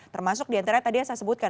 termasuk diantara tadi yang saya sebutkan